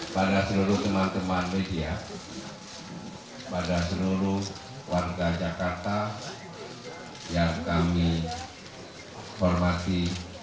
pada seluruh teman teman media pada seluruh warga jakarta yang kami hormati